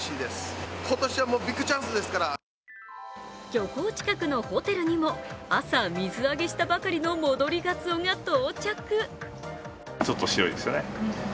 漁港近くのホテルににも朝水揚げしたばかりの戻りがつおが到着。